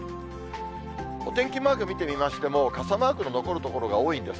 お天気マーク見てみましても、傘マークの残る所が多いんです。